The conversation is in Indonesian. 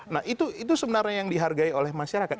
nah itu sebenarnya yang dihargai oleh masyarakat